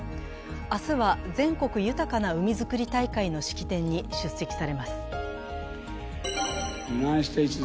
明日は、全国豊かな海づくり大会の式典に出席されます。